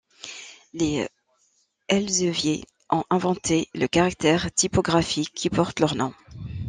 Les Elzevier ont inventé le caractère typographique qui porte leur nom.